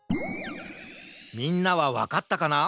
みんなはわかったかな？